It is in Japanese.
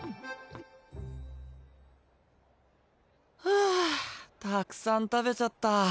はぁたくさん食べちゃった。